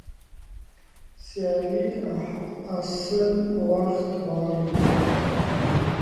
سیاسي اصلاحات وخت غواړي